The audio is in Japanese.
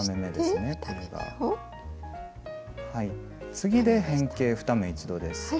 次で変形２目一度です。